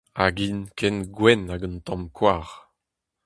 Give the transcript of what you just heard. Hag int ken gwenn hag un tamm koar.